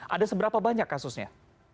ada seberapa banyak kasusnya